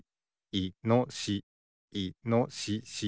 いのしし。